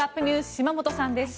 島本さんです。